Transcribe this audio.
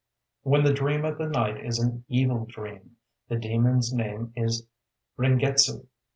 "When the dream of the night is an evil dream, the demon's name is Ringetsu...."